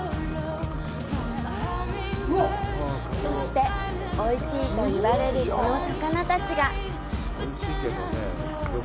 そして、おいしいといわれる地の魚たち！